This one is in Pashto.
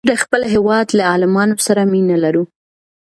موږ د خپل هېواد له عالمانو سره مینه لرو.